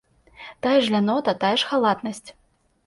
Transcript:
Тая ж лянота, тая ж халатнасць.